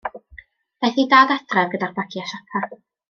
Daeth ei dad adref gyda'r bagiau siopa.